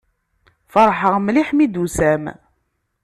Feṛḥeɣ mliḥ mi d-tusam.